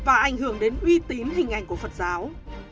và ảnh hưởng đến uy tín hình ảnh của phật giáo